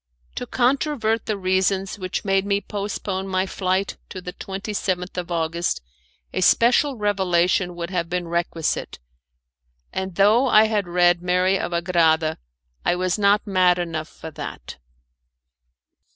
To controvert the reasons which made me postpone my flight to the 27th of August, a special revelation would have been requisite; and though I had read "Mary of Agrada" I was not mad enough for that.